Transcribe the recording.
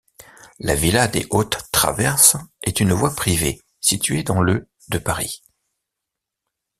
La villa des Hautes-Traverses est une voie privée située dans le de Paris.